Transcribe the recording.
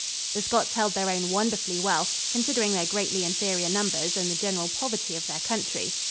The Scots held their own wonderfully well, considering their greatly inferior numbers and the general poverty of their country.